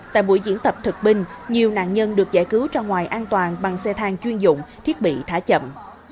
tại buổi diễn tập thực binh nhiều nạn nhân được giải cứu ra ngoài an toàn bằng xe thang chuyên dụng thiết bị thả chậm